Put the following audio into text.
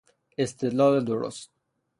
استدلال درست